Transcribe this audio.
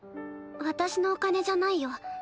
私のお金じゃないよ。